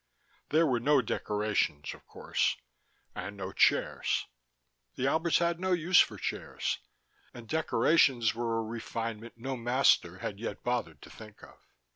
There were no decorations, of course, and no chairs: the Alberts had no use for chairs, and decorations were a refinement no master had yet bothered to think of.